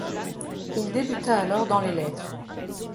Il débuta alors dans les lettres.